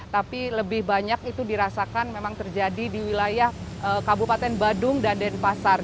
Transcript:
tapi lebih banyak itu dirasakan memang terjadi di wilayah kabupaten badung dan denpasar